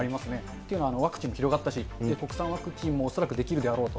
というのは、ワクチンも広がったし、国産ワクチンも恐らくできるであろうと。